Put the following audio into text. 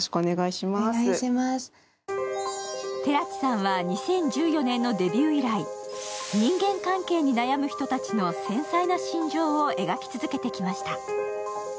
寺地さんは２０１４年のデビュー以来、人間関係に悩む人たちの繊細な心情を描き続けてきました。